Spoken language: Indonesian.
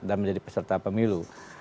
dan menjadi peserta pemilu